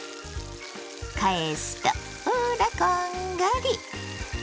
返すとほらこんがり！